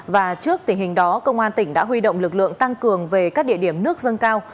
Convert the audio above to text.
và trước tình hình đó công an tỉnh đã huy động lực lượng tăng cường về các địa điểm nước dâng cao